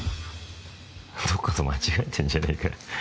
どっかと間違えてんじゃねえか？